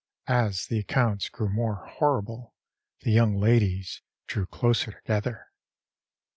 As the accounts grew more horrible the young ladies drew closer together.